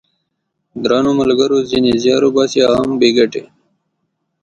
درنو ملګرو ! ځینې زیار باسي خو هغه هم بې ګټې!